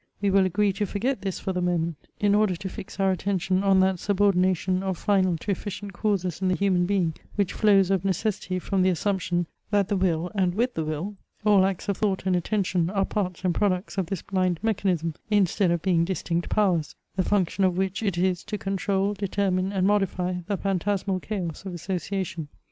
We will agree to forget this for the moment, in order to fix our attention on that subordination of final to efficient causes in the human being, which flows of necessity from the assumption, that the will and, with the will, all acts of thought and attention are parts and products of this blind mechanism, instead of being distinct powers, the function of which it is to control, determine, and modify the phantasmal chaos of association.